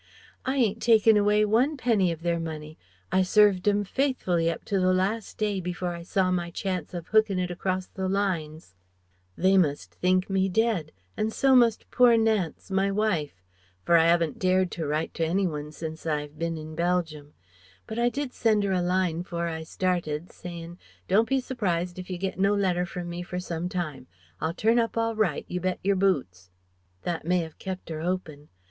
I ain't taken away one penny of their money I served 'em faithfully up to the last day before I saw my chance of hooking it across the lines They must think me dead and so must poor Nance, my wife. For I haven't dared to write to any one since I've bin in Belgium. But I did send her a line 'fore I started, sayin', 'Don't be surprised if you get no letter from me for some time. I'll turn up all right, you bet your boots ' "That may 'ave kept 'er 'opin'.